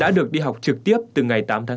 đã được đi học trực tiếp từ ngày tám tháng bốn